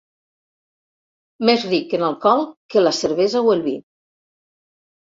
Més ric en alcohol que la cervesa o el vi.